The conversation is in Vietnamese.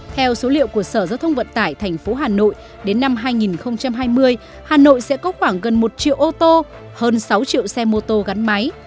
theo số liệu của sở giao thông vận tải tp hà nội đến năm hai nghìn hai mươi hà nội sẽ có khoảng gần một triệu ô tô hơn sáu triệu xe mô tô gắn máy